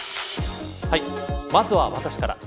まずは私から。